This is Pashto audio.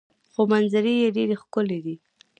خو منظرې یې ډیرې ښکلې دي.